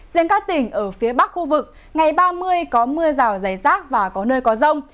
riêng các tỉnh ở phía bắc khu vực ngày ba mươi có mưa rào dày rác và có nơi có rông